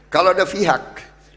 kalau ada pihak